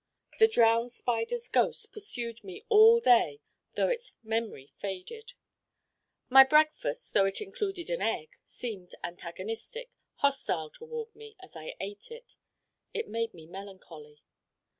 The drowned Spider's ghost pursued me all day though its memory faded. My breakfast, though it included an egg, seemed antagonistic, hostile toward me as I ate it. It made me melancholy.